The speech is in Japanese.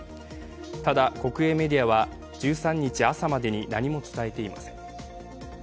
ただ、国営メディアは１３日朝までに何も伝えていません。